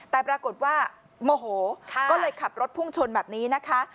แต่ปรากฏว่าโมโหก็เลยขับรถพุ่งชนแบบนี้นะคะ